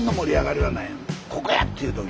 ここや！っていう時。